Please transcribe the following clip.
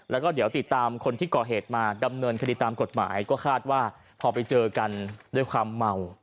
แล้วก็เดี๋ยวติดตามคนที่ก่อเหตุมาดำเนินคดีตามกฎหมายก็คาดว่าพอไปเจอกันด้วยความเมา